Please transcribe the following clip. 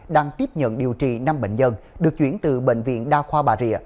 đang tiếp nhận điều trị năm bệnh nhân được chuyển từ bệnh viện đa khoa bà rịa